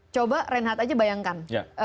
coba reinhardt aja bayangkan